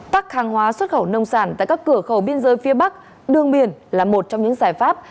tắc hàng hóa xuất khẩu nông sản tại các cửa khẩu biên giới phía bắc đường biển là một trong những giải pháp